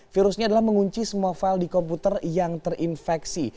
virusnya adalah mengunci semua file di komputer yang terinfeksi